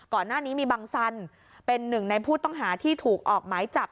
ก่อนหน้านี้มีบังสันเป็นหนึ่งในผู้ต้องหาที่ถูกออกหมายจับ